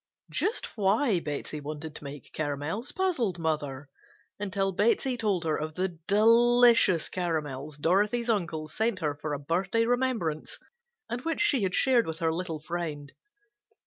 Just why Betsey wanted to make caramels puzzled mother, until Betsey told her of the delicious caramels Dorothy's uncle sent her for a birthday remembrance and which she had shared with her little friend.